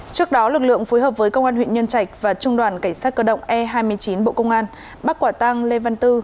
trước đó lực lượng phối hợp với công an huyện nhân trạch và trung đoàn cảnh sát cơ động e hai mươi chín bộ công an bắt quả tang lê văn tư